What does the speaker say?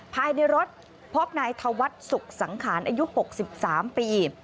ภายในรถพบนายธวัฒน์สุขสังขารอายุ๖๓ปี